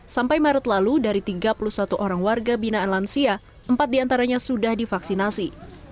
sampai maret lalu dari tiga puluh satu orang warga binaan lansia empat diantaranya sudah divaksinasi